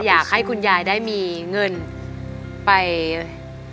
อยากให้คุณยายได้มีเงินไป